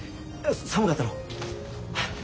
寒かったろ？